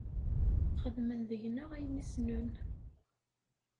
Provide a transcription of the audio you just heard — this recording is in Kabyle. Xedmen deg-neɣ ayen i ssnen.